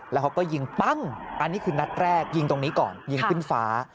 แล้วเขาก็ยิงปั้งอันนี้คือนัดแรกยิงตรงนี้ก่อนยิงขึ้นฟ้า